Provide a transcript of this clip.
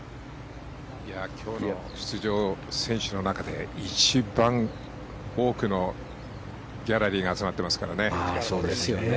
今日の出場選手の中で一番多くのギャラリーが集まってますからね。